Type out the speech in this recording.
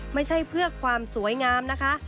ไม่ใช่เพื่อความสวยงามนะคะ